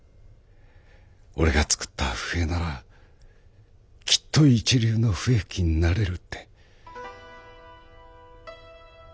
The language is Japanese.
俺が作った笛ならきっと一流の笛吹きになれるって。